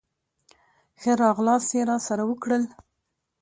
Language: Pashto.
ښه راغلاست یې راسره وکړل.